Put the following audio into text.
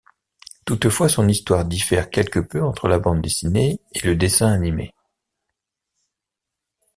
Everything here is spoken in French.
Toutefois, son histoire diffère quelque peu entre la bande dessinée et le dessin animé.